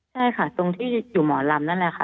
ใช่ค่ะตรงที่อยู่หมอลำนั่นแหละค่ะ